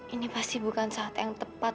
ini pasti bukan saat yang tepat